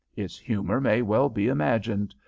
Its humor may well be imagined.